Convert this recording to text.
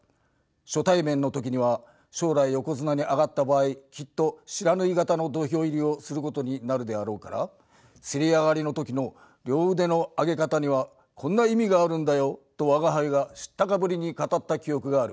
初対面の時には将来横綱に上がった場合きっと不知火型の土俵入りをすることになるであろうからせり上がりの時の両腕の上げ方にはこんな意味があるんだよと吾輩が知ったかぶりに語った記憶がある。